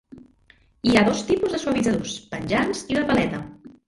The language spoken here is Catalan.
Hi ha dos tipus de suavitzadors: penjants i de paleta.